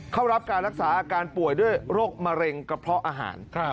เข้ารับการรักษาอาการป่วยด้วยโรคมะเร็งกระเพาะอาหาร